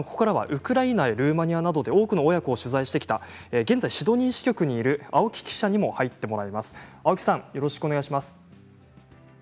ルーマニアやウクライナなどで多くの親子を取材してきた現在シドニー支局にいる青木記者にも入ってもらいます。